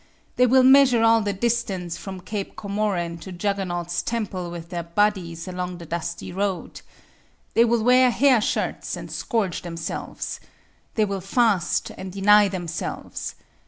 They will measure all the distance from Cape Comorin to Juggernaut's temple with their bodies along the dusty road. They will wear hair shirts and scourge themselves. They will fast and deny themselves.